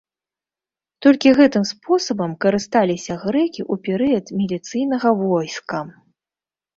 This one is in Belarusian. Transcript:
Толькі гэтым спосабам карысталіся грэкі ў перыяд міліцыйнага войска.